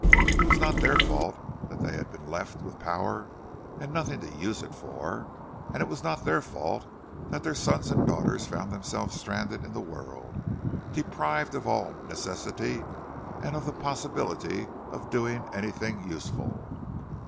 It was not their fault that they had been left with power and nothing to use it for; it was not their fault that their sons and daughters found themselves stranded in the world, deprived of all necessity, and of the possibility of doing anything useful.